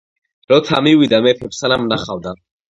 როცა მივიდა, მეფემ, სანამ ნახავდა,